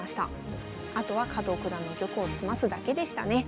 あとは加藤九段の玉を詰ますだけでしたね。